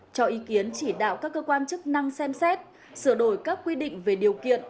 cho ý kiến chỉ đạo các cơ quan chức năng xem xét sửa đổi các quy định về điều kiện